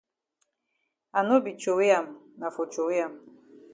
I no be throwey am na for throwey am.